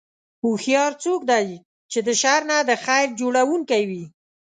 هوښیار څوک دی چې د شر نه د خیر جوړوونکی وي.